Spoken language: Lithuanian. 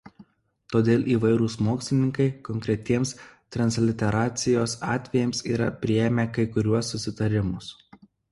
Todėl įvairūs mokslininkai konkretiems transliteracijos atvejams yra priėmę kai kuriuos susitarimus.